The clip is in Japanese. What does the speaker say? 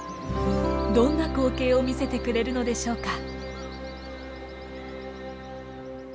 どんな光景を見せてくれるのでしょうか。